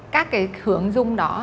các cái hướng dung đó